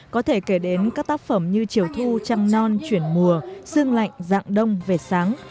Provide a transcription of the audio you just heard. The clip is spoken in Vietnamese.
có thể kể đến các tác phẩm như chiều thu chăm non chuyển mùa sương lạnh dạng đông về sáng